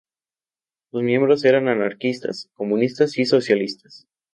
Sus miembros eran anarquistas, comunistas y socialistas.